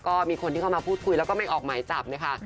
ก็มีคนที่เข้ามาพูดคุยแล้วก็ไม่ออกหมายจับนะคะ